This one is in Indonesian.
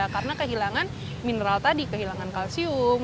karena kehilangan mineral tadi kehilangan kalsium